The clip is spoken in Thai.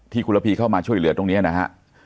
คุณระพีเข้ามาช่วยเหลือตรงนี้นะฮะ